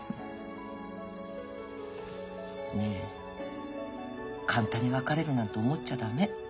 ねえ簡単に別れるなんて思っちゃ駄目。